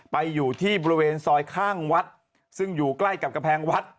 อยู่ที่บริเวณซอยข้างวัดซึ่งอยู่ใกล้กับกำแพงวัด